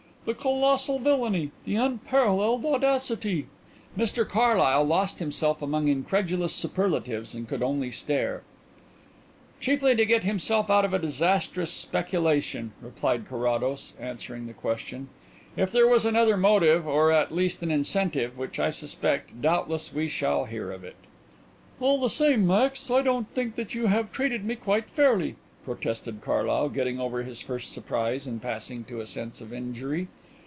The colossal villainy, the unparalleled audacity!" Mr Carlyle lost himself among incredulous superlatives and could only stare. "Chiefly to get himself out of a disastrous speculation," replied Carrados, answering the question. "If there was another motive or at least an incentive which I suspect, doubtless we shall hear of it." "All the same, Max, I don't think that you have treated me quite fairly," protested Carlyle, getting over his first surprise and passing to a sense of injury.